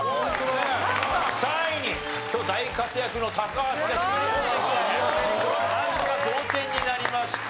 ３位に今日大活躍の高橋が滑り込んできてなんとか同点になりました。